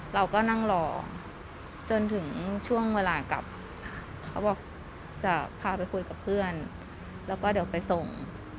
เราก็นั่งรอจนถึงช่วงเวลากลับเขาบอกจะพาไปคุยกับเพื่อนแล้วก็เดี๋ยวไปส่ง